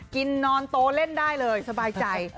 กินนอนโตเล่นได้เลยสบายใจ